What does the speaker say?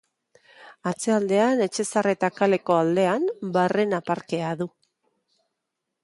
Atzealdean, Etxezarreta kaleko aldean, Barrena parkea du.